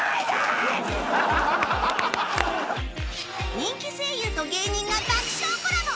人気声優と芸人が爆笑コラボ